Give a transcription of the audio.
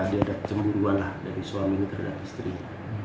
di hadap cembungan lah dari suami terhadap istrinya